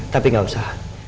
tapi gak usah